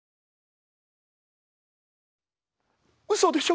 うそでしょ？